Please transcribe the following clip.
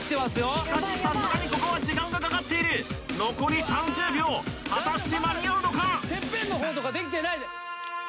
しかしさすがにここは時間がかかっている残り３０秒果たして間に合うのか？